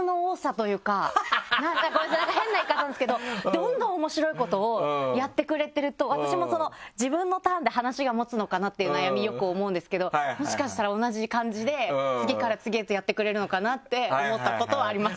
ごめんなさい変な言い方なんですけどどんどん面白いことをやってくれてると私も自分のターンで話が持つのかなっていう悩みよく思うんですけどもしかしたら同じ感じで次から次へとやってくれるのかなって思ったことはあります。